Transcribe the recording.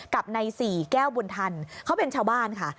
กับนายศรีแก้วบุญทันเขาเป็นชาวบ้านค่ะ